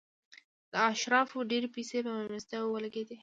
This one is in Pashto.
د اشرافو ډېرې پیسې په مېلمستیاوو لګېدې.